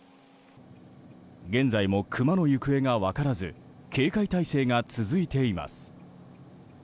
現在もクマの行方が分からず警戒態勢が続いています。